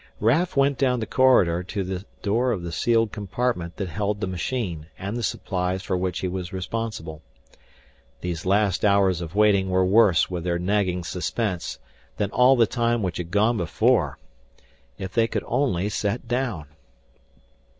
Raf went down the corridor to the door of the sealed compartment that held the machine and the supplies for which he was responsible. These last hours of waiting were worse with their nagging suspense than all the time which had gone before. If they could only set down!